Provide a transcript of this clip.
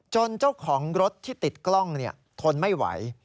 เจ้าของรถที่ติดกล้องทนไม่ไหว